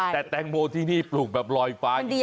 แต่แตงโมที่นี่ผลงแบบลอยฟ้าอย่างนี้ครับ